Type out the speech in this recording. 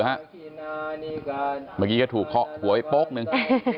เมื่อกี้ก็ถูกเคาะหัวไปโป๊กนึง